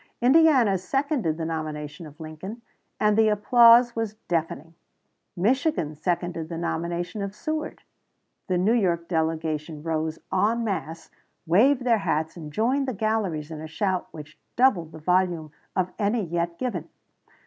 Indiana seconded the nomination of Lincoln, and the applause was deafening. Michigan seconded the nomination of Seward; the New York delegation rose en masse, waved their hats, and joined the galleries in a shout which doubled the volume of any yet given.